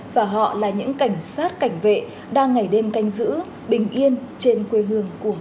và họ là những cảnh sát cảnh vệ đang ngày đêm canh giữ bình yên trên quê hương của mình